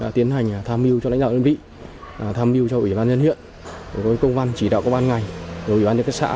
đã tiến hành tham mưu cho lãnh đạo đơn vị tham mưu cho ủy ban nhân hiện với công an chỉ đạo công an ngành với ủy ban nhân kết xã